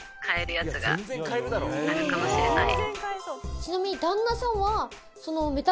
ちなみに。